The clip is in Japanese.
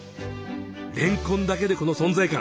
れんこんだけでこの存在感！